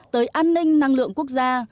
tới an ninh năng lượng quốc gia